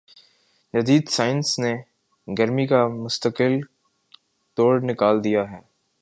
جدید سائنس نے گرمی کا مستقل توڑ نکال دیا ہے